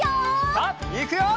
さあいくよ！